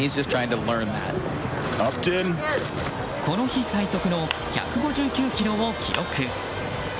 この日最速の１５９キロを記録。